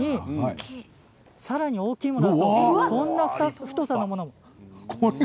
さらに大きいものはこんな太さのものも。